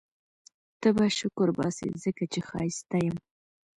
ته به شکرباسې ځکه چي ښایسته یم